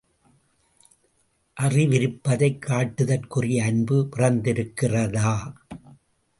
அறிவிருப்பதைக் காட்டுதற்குரிய அன்பு பிறந்திருக்கிறதா?